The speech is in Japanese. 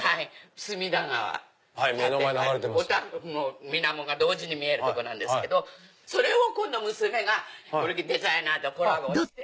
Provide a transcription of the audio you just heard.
隅田川水面が同時に見えるとこなんですけどそれを今度娘がデザイナーとコラボして。